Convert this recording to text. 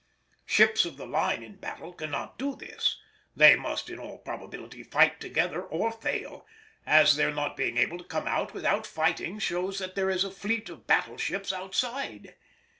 Ships of the line of battle cannot do this. They must in all probability fight together or fail, as their not being able to come out without fighting shows that there is a fleet of battle ships outside.